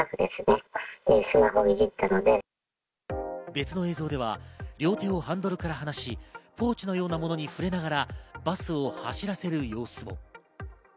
別の映像では両手をハンドルから話し、ポーチのようなものに触れながらバスを走らせる様子も。